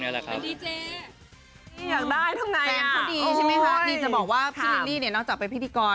นี่จะบอกว่าพี่ลิลลี่เนี่ยนอกจากเป็นพิธีกร